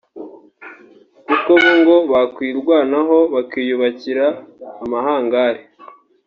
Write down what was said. kuko bo ngo bakwirwanaho bakiyubakira amahangari